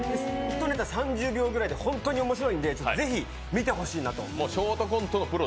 ひとネタ３０秒ぐらいで本当に面白いんでぜひ見てほしいなと。